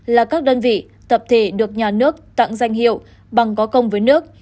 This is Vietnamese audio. là các đơn vị tập thể được nhà nước tặng danh hiệu bằng có công với nước